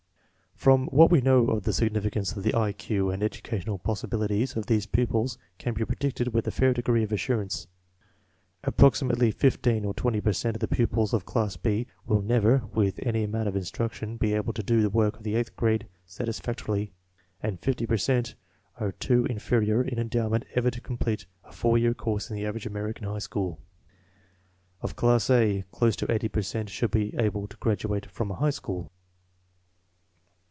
From what we know of the significance of the I Q the educational possibilities of these pupils can be predicted with a fair degree of assurance. Approxi mately 15 or 20 per cent of the pupils of class B will never, with any amount of instruction, be able to do the work of the eighth grade satisfactorily, and 50 per cent are too inferior in endowment ever to complete a four year course in the average American high school. Of class A, close to 80 per cent should be able to gradu ate from a high school.